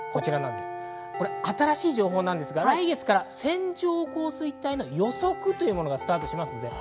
新しい情報ですが、来月から線状降水帯の予測というものがスタートします。